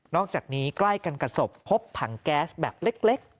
อกจากนี้ใกล้กันกับศพพบถังแก๊สแบบเล็ก